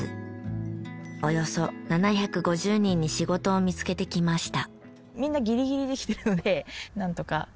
およそ７５０人に仕事を見つけてきました。